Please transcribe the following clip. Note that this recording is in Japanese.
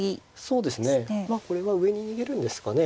そうですねまあこれは上に逃げるんですかね。